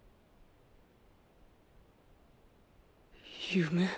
夢？